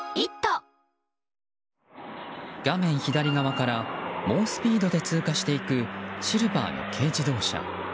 画面左側から猛スピードで通過していくシルバーの軽自動車。